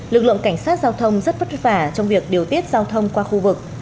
lực lượng cảnh sát giao thông rất vất vả trong việc điều tiết giao thông qua khu vực